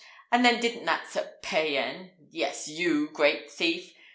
And then didn't that Sir Payan yes, you great thief!